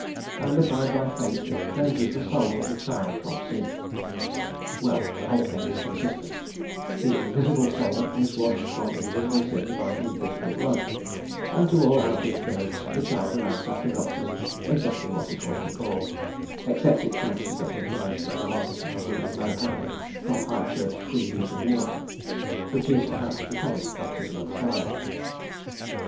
And, applied by faith, it cleanses the soul of the child from sin. Well, the whole thing is consistent: the invisible soul is washed from invisible sin by invisible blood, and to all outward appearance the child remains after baptism exactly what it was before except it chance to get inflammation of the lungs, as we have known happen, from High Church free use of water, which is, perhaps, the promised baptism of fire.